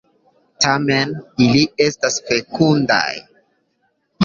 Tamen ili estas fekundaj.